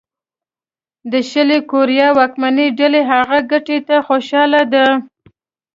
د شلي کوریا واکمنه ډله هغې ګټې ته خوشاله ده.